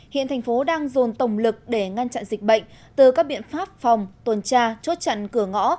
hiện thành phố đang dồn tổng lực để ngăn chặn dịch bệnh từ các biện pháp phòng tuần tra chốt chặn cửa ngõ